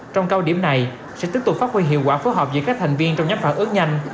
trong cao điểm này sẽ tiếp tục phát huy hiệu quả phối hợp giữa các thành viên trong nhóm phản ứng nhanh